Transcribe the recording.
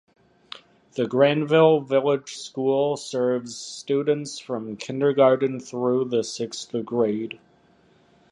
The Granville Village School serves students from Kindergarten through the sixth grade.